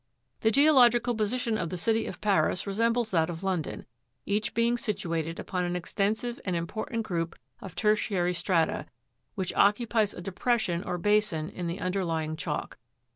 7. The geological position of the city of Paris resembles that of London, each being situated upon an extensive and important group of tertiary strata, which occupies a depression or basin in the underlying chalk.